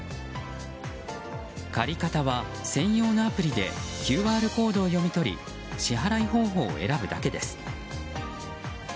借り方は専用のアプリでＱＲコードを読み取り支払い方法を選ぶだけです。